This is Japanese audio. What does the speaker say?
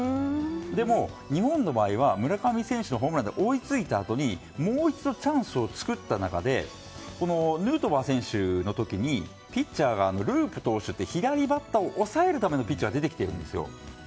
でも、日本の場合は村上選手のホームランで追いついたあとにもう一度チャンスを作った中でヌートバー選手の時にピッチャーがループ投手という左バッターを抑えるためのピッチャーが出てきているんですよ。